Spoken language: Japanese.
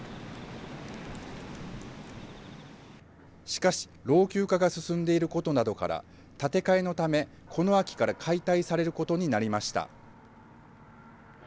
しかし老朽化が進んでいることなどから、建て替えのため、この秋から解体されることになりました。